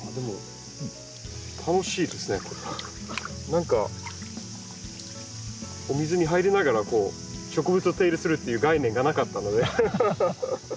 何かお水に入りながら植物を手入れするっていう概念がなかったので。